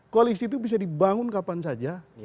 koalisi itu bisa dibangun kapan saja